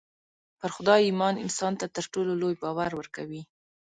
پر خدای ايمان انسان ته تر ټولو لوی باور ورکوي.